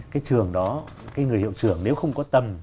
cái trường đó cái người hiệu trưởng nếu không có tầm